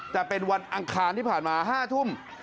แต่เป็นวันอังคารที่ผ่านมา๕ทุ่ม